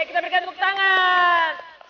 kita berikan tepuk tangan